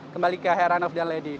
kembali ke heranov dan lady